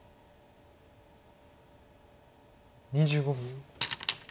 ２５秒。